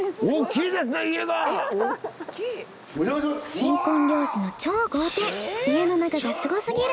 新婚漁師の超豪邸家の中がすごすぎる！